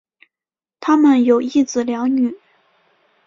他们有一子两女。